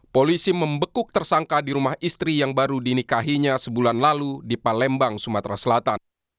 polisi membekuk tersangka di rumah istri yang baru dinikahinya sebulan lalu di palembang sumatera selatan